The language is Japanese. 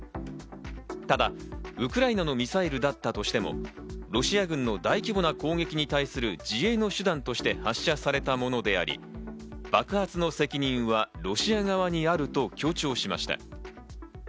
ただウクライナのミサイルだったとしても、ロシア軍の大規模な攻撃に対する自衛の手段として発射されたものであり、爆発の責任はロシア側にあると強調しました。